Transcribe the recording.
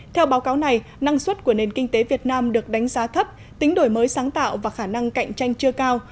theo báo cáo này năng suất của nền kinh tế việt nam được đánh giá thấp tính đổi mới sáng tạo và khả năng cạnh tranh chưa cao